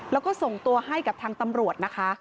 แล้วก็ส่งตัวให้กับทางตำรวจนะคะ